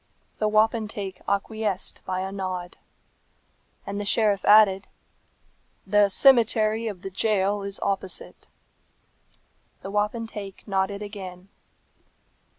The wapentake acquiesced by a nod. And the sheriff added, "The cemetery of the jail is opposite." The wapentake nodded again.